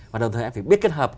và đồng thời anh phải biết kết hợp